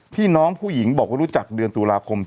น้องผู้หญิงบอกว่ารู้จักเดือนตุลาคม